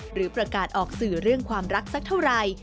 หรือประกาศออกสื่อเรื่องความรักสักเท่าไหร่